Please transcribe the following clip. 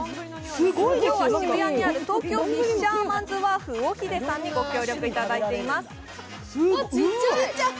今日は渋谷にあるトウキョウフィッシャーマンズワーフ、魚秀さんに御協力いただいています。